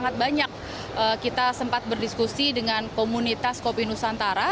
sangat banyak kita sempat berdiskusi dengan komunitas kopi nusantara